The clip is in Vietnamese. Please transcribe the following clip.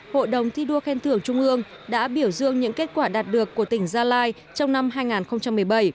hội đồng thi đua khen thưởng trung ương đã biểu dương những kết quả đạt được của tỉnh gia lai trong năm hai nghìn một mươi bảy